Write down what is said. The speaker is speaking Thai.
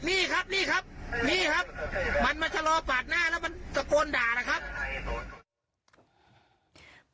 นี่ครับนี่ครับนี่ครับมันมาชะลอปาดหน้าแล้วมันตะโกนด่านะครับ